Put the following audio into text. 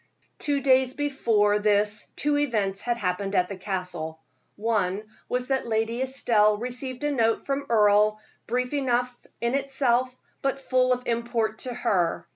Two days before this two events had happened at the Castle. One was that Lady Estelle received a note from Earle, brief enough in itself, but full of import to her.